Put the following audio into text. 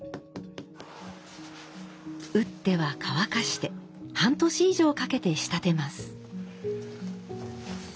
打っては乾かして半年以上かけて仕立てます。